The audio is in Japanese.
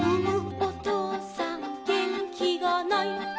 おとうさんげんきがない」